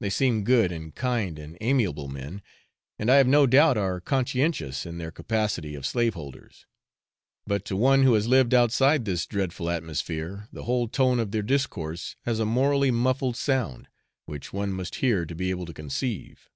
They seem good and kind and amiable men, and I have no doubt are conscientious in their capacity of slaveholders; but to one who has lived outside this dreadful atmosphere, the whole tone of their discourse has a morally muffled sound, which one must hear to be able to conceive.